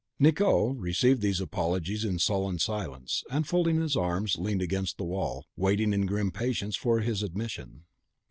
Nicot received these apologies in sullen silence, and, folding his arms, leaned against the wall, waiting in grim patience for his admission.